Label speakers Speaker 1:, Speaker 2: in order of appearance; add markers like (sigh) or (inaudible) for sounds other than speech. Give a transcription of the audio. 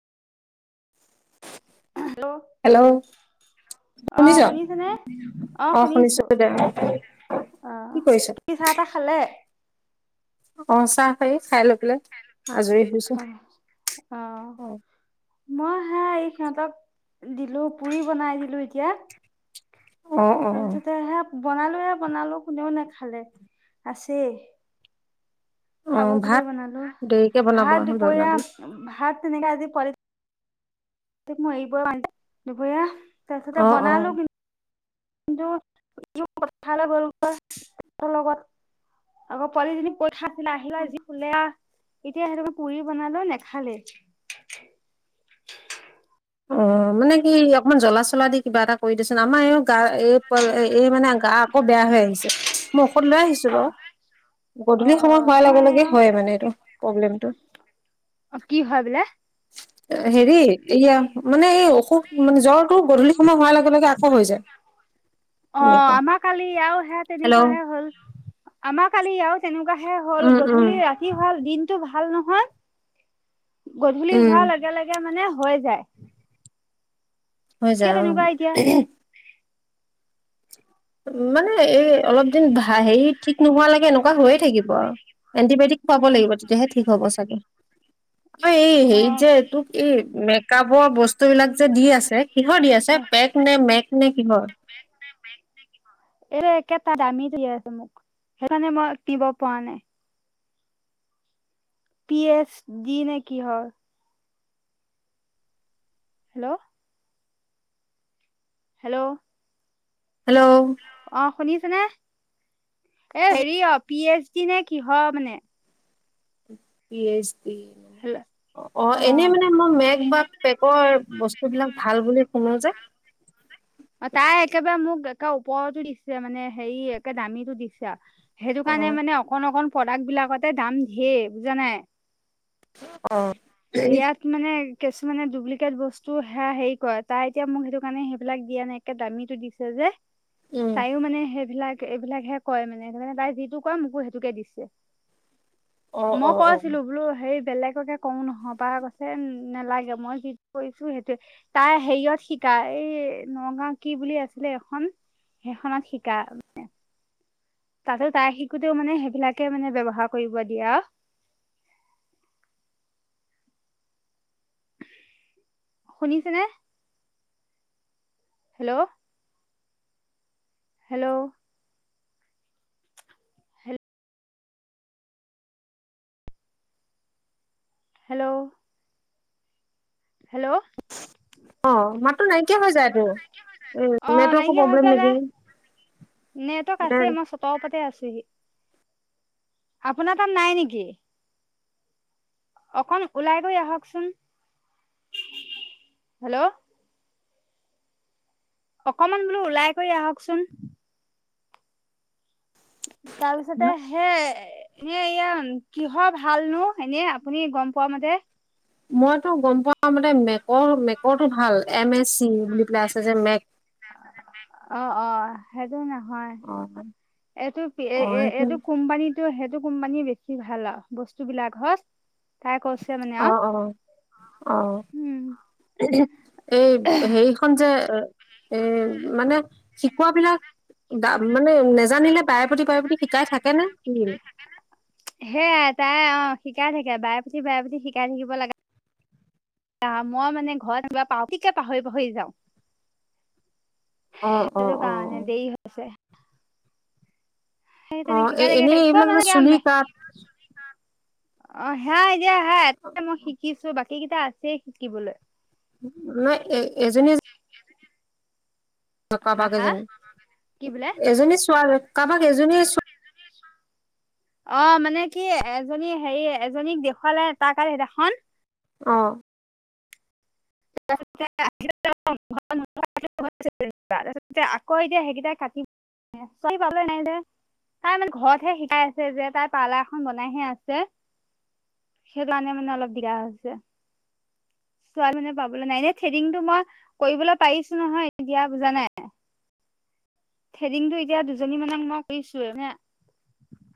Speaker 1: Hello.
Speaker 2: Hello
Speaker 1: অহ
Speaker 2: শুনিছ
Speaker 1: শুনিছেনে? অ শুনিছো দে। অহ
Speaker 2: কি কৰিছ
Speaker 1: কি চাহ তাহ খালে?
Speaker 2: অহ, চাহ খাই
Speaker 1: অহ,
Speaker 2: খাই
Speaker 1: চাহ
Speaker 2: লৈ
Speaker 1: হেৰি
Speaker 2: পেলাই
Speaker 1: খাই
Speaker 2: আজৰি
Speaker 1: লৈ
Speaker 2: হৈছো
Speaker 1: পেলাই আজৰি হৈছোঁ হে। অহ,
Speaker 2: অ
Speaker 1: মই হাই সিহঁতক দিলো পুৰি বনাই দিলো এতিয়া।
Speaker 2: অ অ
Speaker 1: তাৰপিছতে হেয় বনালো হে বনালো, কোনেও নাখালে। আছেই।
Speaker 2: অ
Speaker 1: খাব বুলিয়ে
Speaker 2: ভাত
Speaker 1: বনালো।
Speaker 2: দেৰিকে বনাব
Speaker 1: ভাত
Speaker 2: বনাবি
Speaker 1: দুপৰীয়া ভাত তেনেকে আজি পোৱালি টোক মই এৰিবৈ পৰা নাই, দুপৰীয়া তাৰ
Speaker 2: অ
Speaker 1: পাছতে
Speaker 2: অ
Speaker 1: বনালো। কিন্তু ইউ পথাৰলে গ'ল গৈ ইহঁতৰ লগত। আকৌ, ছোৱালীজনিৰ খাই পেলাই আহিল আৰু, যি শুলে আৰু এতিয়া সেইটো কাৰণে পুৰি বনালো নেখালেই।
Speaker 2: অ' মানে কি অকন জ্বলা চলা দি কিবা এটা কৰি দিচোন, আমাৰ এওঁ
Speaker 1: অ অ অ আমাৰ
Speaker 2: (inaudible)
Speaker 1: অ' কি হয় বোলে,
Speaker 2: হেৰি, এয়া মানে এই অসুখ মানে জ্বৰটো গধূলি সময় হোৱাৰ লগে লগে আকৌ হৈ যায়।
Speaker 1: অ'
Speaker 2: এনেকুৱা
Speaker 1: আমাৰ কালি আৰু সেয়া
Speaker 2: হেল্ল'
Speaker 1: তেনেকুৱাহে হ'ল। আমাক কালি আৰু তেনেকুৱা হে হ'ল,
Speaker 2: উম উম
Speaker 1: গধূলি ৰাতি হ'ল, দিন টো ভাল নহয়? গধূলি
Speaker 2: উম
Speaker 1: হোৱাৰ লগে লগে মানে, হৈ যায়।
Speaker 2: হৈ
Speaker 1: কিয়
Speaker 2: যায়,
Speaker 1: তেনেকুৱা এতিয়া
Speaker 2: অ' মানে এই অলপ দিন হেৰি ঠিক নোহোৱা লৈকে এনেকুৱা হৈয়ে থাকিব আৰু। এণ্টিবায়টিক খুৱাব
Speaker 1: উম
Speaker 2: লাগিব তেতিয়াহে ঠিক হ'ব চাগে। অ'এই হেৰি যে
Speaker 1: অ
Speaker 2: তোক এই মেকপৰ বস্তু বিলাক যে দি আছে কিহৰ দি আছে, পেক নে মেক নে কিহৰ?
Speaker 1: এ কেটা দামী আছে মোক সেইকাৰণে মই কিব প নাই। পি এইচ দি নে কি হয়। হেল্ল'? হেল্ল'?
Speaker 2: হেল্ল'!
Speaker 1: চানে? এ হেৰি অ' পি এইচ-া (inaudible) নে কি হয় মানে,
Speaker 2: পি এইচ ডি,
Speaker 1: হেল্ল'
Speaker 2: অ' এনে মানে মই মেগ বা
Speaker 1: এনে মানে মোৰ
Speaker 2: পেকৰ
Speaker 1: মেক বা
Speaker 2: বস্তু বিলাক
Speaker 1: মেকৰ
Speaker 2: ভাল বুলি শুনো যে,
Speaker 1: অ' তাই একেবাৰে মোক একে ওপৰতো দিছে, মানে হেৰি একে দামীটো দিছে। সেইটো
Speaker 2: অ
Speaker 1: কাৰণে মানে অকণ অকণ প্ৰডাক্ট বিলাকতে দাম ধেৰ বুজানাই।
Speaker 2: উ।
Speaker 1: ইয়াত মানে কিছুমানে ডুপ্লিকেট বস্তু সেয়া হেৰি কৰে তাই এতিয়া মোক সেইটো কাৰণে সেইবিলাক দিয়া নাই একে দামীটো দিছে যে
Speaker 2: উম
Speaker 1: তাইও মানে সেইবিলাক এইবিলাকহে কয় মানে সেইানে তাই যিটো কয় মোকো সেইটোকে দিছে।
Speaker 2: অ
Speaker 1: মই
Speaker 2: অ
Speaker 1: কোৱা
Speaker 2: অ
Speaker 1: আছিলো বোলো হেই বেলেগকে কওঁ নহ'বা কৈছে নালাগে মই যি কৰিছো সেইটো, তাই হেৰিয়ত শিকা এই নগাঁও কি বুলি আছিলে এখন সেইখনত শিকাই মানে। তাতে তাই শিকোতেও মানে সেইবিলাকে মানে ব্যৱহাৰ কৰিব দিয়ে আও। শুনিছেনে। হেল্ল'। হেল্ল'। হেল্ল'। হেল্ল'।
Speaker 2: অঁ মাততো নাইকিয়া হৈ যায়টো, এ
Speaker 1: অ
Speaker 2: নেটৱৰ্কৰ
Speaker 1: নাইকিয়া হকে
Speaker 2: প্ৰব্লেম
Speaker 1: যায়
Speaker 2: নেকি,
Speaker 1: নেটৱৰ্ক আছে
Speaker 2: (unintelligible)
Speaker 1: মই চতৰ ওপৰতে আছোহি আপোনাৰ তাত নাই নেকি। অকন ওলাইগৈ আহকচোন, হেল্ল'। অকমান বোলো ওলাই কৰি আহকচোন।
Speaker 2: ন
Speaker 1: তাৰপিছতে হে ইয়ে ইয় কিহৰ ভালনো এনে আপুনি গম পোৱা মতে।
Speaker 2: মইতো গম পোৱা মতে মেকৰ মেকৰটো ভাল এম এছ (unintelligible) বুলি পেলাই আছ যে মেক
Speaker 1: অ অ (unintelligible) নহয়।
Speaker 2: অ
Speaker 1: এইটো এ
Speaker 2: অ সেইখিনি
Speaker 1: এইটো কোম্পানীটো এইটো কোম্পানী বেছি ভাল আৰু বস্তুবিলাক হচ
Speaker 2: অ', অ'- অ',
Speaker 1: উম
Speaker 2: এই হেৰিখন যে এ মানে শিকোৱাবিলাক মানে নেজানিলে বাৰে প্ৰতি-বাৰে প্ৰতি শিকাই থাকে নে।
Speaker 1: সেইয়াই তাই অ' শিকাই থাকে বাৰে পুটি বাৰে পুটি শিকাই থাকিব লাগে আও, মই মানে ঘৰত কিবা পা টিকে পাহৰি- পাহৰি যাওঁ।
Speaker 2: অ অ
Speaker 1: সেইটো
Speaker 2: অ
Speaker 1: কাৰণে দেৰি হৈছে। (inaudible) সেই তেনেকে
Speaker 2: অ' এ
Speaker 1: শিকাই থাকে
Speaker 2: এনেই
Speaker 1: শিকোৱা
Speaker 2: এইবিলাক
Speaker 1: মানে কি আও
Speaker 2: চুলিকাত
Speaker 1: অ' সেয়াই এতিয়া হা এ মই শিকিছো বাক এইকেইটা আছে শিকিবলৈ।
Speaker 2: নাই এ এজনী এজ
Speaker 1: হা
Speaker 2: কাৰোবাক
Speaker 1: হা কি বোলে
Speaker 2: এজনী- এজনী ছোৱাল কাৰোবাক এজনী চোৱা
Speaker 1: অ' মানে কি এজনী হেৰি এজনীক দেখুৱালে তাকাল সেইদিনাখন।
Speaker 2: অঁ।
Speaker 1: (unintelligible) আকৌ এতিয়া সেইকেইটাই কাটি নাই যে তাই মানে ঘৰতহে শিকাই আছে যে তাই পাৰ্লাৰ এখন বনাইহে আছে, সেই কাৰণে মানে অলপ দিগদাৰ হৈছে, ছোৱাল মানে পাবলে নাই, এনে থেদিংটো মই কৰিবলৈ পাৰিছো নহয় এতিয়া বুজা নাই। থ্ৰেডিংটো এতিয়া দুজনী মানক মই কৰিছো হে